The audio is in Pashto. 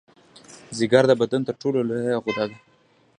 ځیګر د بدن تر ټولو لویه غده ده